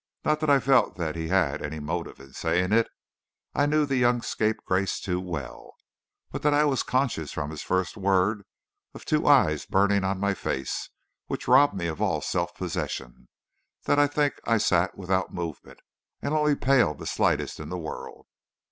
Not that I felt that he had any motive in saying it I knew the young scapegrace too well but that I was conscious from his first word of two eyes burning on my face, which robbed me of all self possession, though I think I sat without movement, and only paled the slightest in the world.